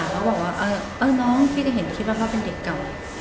เขาบอกว่าน้องที่ได้เห็นคิดว่าเขาเป็นเด็กเก่า